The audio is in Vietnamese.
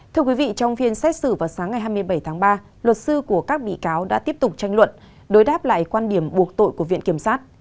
thưa quý vị trong phiên xét xử vào sáng ngày hai mươi bảy tháng ba luật sư của các bị cáo đã tiếp tục tranh luận đối đáp lại quan điểm buộc tội của viện kiểm sát